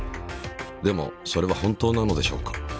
でもそれは本当なのでしょうか。